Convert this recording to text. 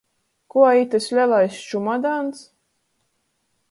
Kuo itys lelais čumadans?